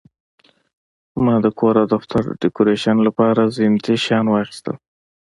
ما د کور او دفتر د ډیکوریشن لپاره زینتي شیان واخیستل.